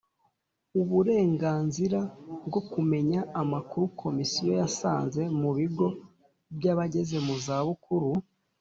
Uburenganzira bwo kumenya amakuru Komisiyo yasanze mu bigo by abageze mu zabukuru